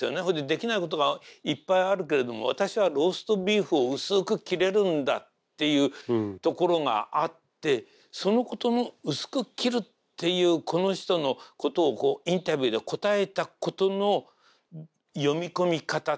それでできないことがいっぱいあるけれども「私はローストビーフを薄く切れるんだ」っていうところがあってそのことの薄く切るっていうこの人のことをこうインタビューで答えたことの読み込み方。